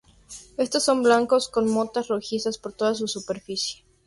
Estos son blancos, con motas rojizas por toda su superficie.